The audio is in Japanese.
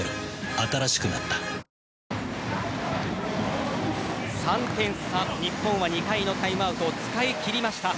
新しくなった３点差、日本は２回のタイムアウトを使い切りました。